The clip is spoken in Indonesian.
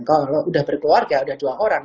kalau lo udah berkeluarga udah dua orang